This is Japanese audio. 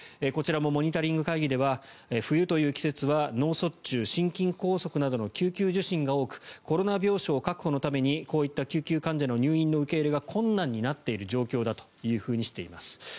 こちらもモニタリング会議では冬という季節は脳卒中、心筋梗塞などの救急受診が多くコロナ病床確保のためにこういった救急患者の入院の受け入れが困難になっている状況だとしています。